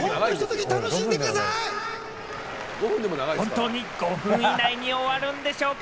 本当に５分以内に終わるんでしょうか？